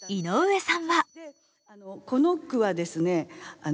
この句はですね